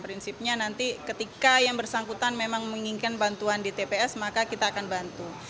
prinsipnya nanti ketika yang bersangkutan memang menginginkan bantuan di tps maka kita akan bantu